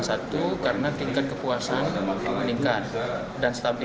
satu karena tingkat kepuasan meningkat dan stabil